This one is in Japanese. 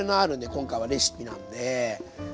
今回はレシピなんで。